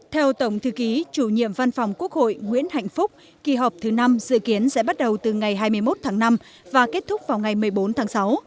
theo tổng thư ký chủ nhiệm văn phòng quốc hội nguyễn hạnh phúc kỳ họp thứ năm dự kiến sẽ bắt đầu từ ngày hai mươi một tháng năm và kết thúc vào ngày một mươi bốn tháng sáu